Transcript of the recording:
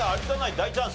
大チャンス！